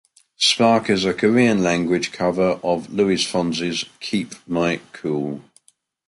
"Spark" is a Korean-language cover of Luis Fonsi's "Keep My Cool.